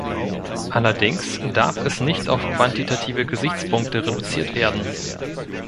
Allerdings darf es nicht auf quantitative Gesichtspunkte reduziert werden.